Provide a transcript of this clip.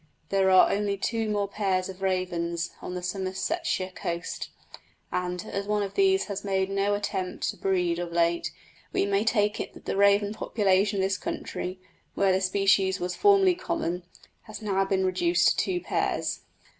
There are only two more pair of ravens on the Somersetshire coast, and, as one of these has made no attempt to breed of late, we may take it that the raven population of this county, where the species was formerly common, has now been reduced to two pairs.